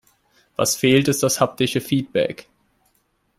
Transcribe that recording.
Was fehlt, ist das haptische Feedback.